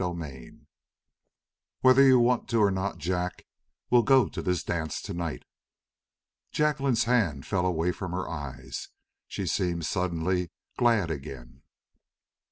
CHAPTER 19 "Whether you want to or not, Jack, we'll go to this dance tonight." Jacqueline's hand fell away from her eyes. She seemed suddenly glad again.